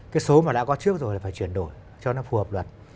cái số mà đã có trước rồi là phải chuyển đổi cho nó phù hợp luật